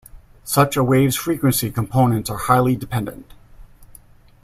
Such a wave's frequency components are highly dependent.